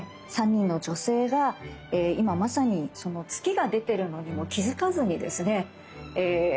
３人の女性が今まさに月が出てるのにも気付かずにですね